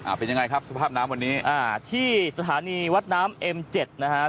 เป็นยังไงครับสภาพน้ำวันนี้อ่าที่สถานีวัดน้ำเอ็มเจ็ดนะฮะ